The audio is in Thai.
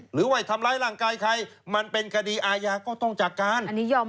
หรือว่าทำร้ายร่างกายใครมันเป็นคดีอาญาก็ต้องจัดการ